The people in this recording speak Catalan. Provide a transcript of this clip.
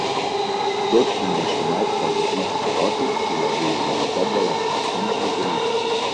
Tot condicionat pel desig eròtic i la volubilitat de les relacions sentimentals.